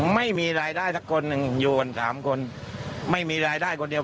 ไม่มีรายได้สักคนหนึ่งอยู่กันสามคนไม่มีรายได้คนเดียว